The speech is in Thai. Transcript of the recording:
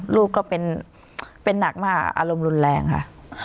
ลูกก็เป็นหนักมากอารมณ์รุนแรงค่ะ